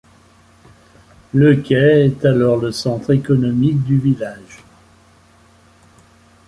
Le quai est alors le centre économique du village.